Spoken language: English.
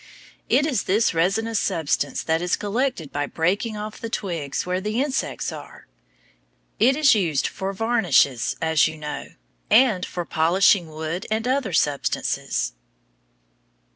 It is this resinous substance that is collected by breaking off the twigs where the insects are. It is used for varnishes, as you know, and for polishing wood and other substances.